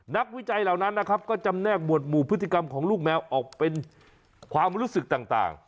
วิจัยเหล่านั้นนะครับก็จำแนกหมวดหมู่พฤติกรรมของลูกแมวออกเป็นความรู้สึกต่าง